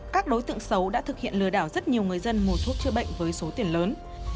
các đối tượng xấu đã thực hiện lừa đảo rất nhiều người dân mua thuốc chữa bệnh với số tiền lớn